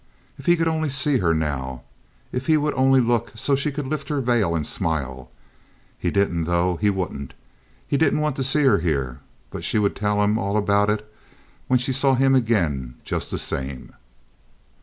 If he could only see her now; if he would only look so she could lift her veil and smile! He didn't, though; he wouldn't. He didn't want to see her here. But she would tell him all about it when she saw him again just the same.